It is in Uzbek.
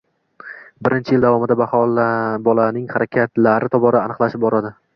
Birinchi yil davomida bolaning harakatlari tobora aniqlashib boradi